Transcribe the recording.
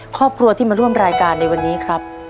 ครอบครัวที่มาร่วมรายการในวันนี้ครับ